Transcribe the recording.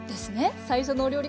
最初のお料理